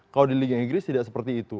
kalau di liga inggris tidak seperti itu